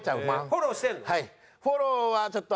フォローしてるの？